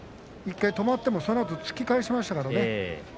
１回、止まってもそのあと突き返しましたからね。